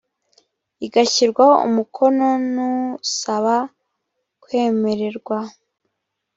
igashyirwaho umukono n’usaba kwemererwa